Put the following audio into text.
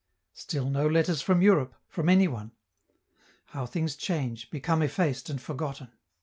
Still no letters from Europe, from any one. How things change, become effaced and forgotten!